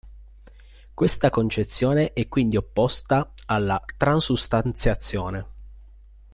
Questa concezione è quindi opposta alla transustanziazione.